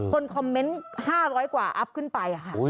คนคอมเมนต์๕๐๐กว่าอัพขึ้นไปค่ะ